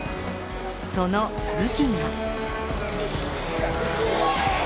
その武器が。